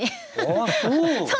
あっそう？